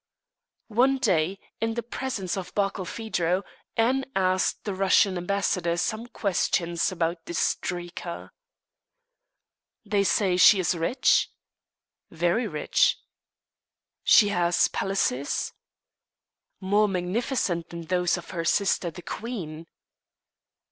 One day, in the presence of Barkilphedro, Anne asked the Russian ambassador some question about this Drika. "They say she is rich?" "Very rich." "She has palaces?" "More magnificent than those of her sister, the queen."